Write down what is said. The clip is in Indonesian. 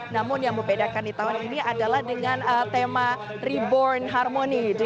namun yang membedakan di tahun ini adalah dengan tema reborn harmony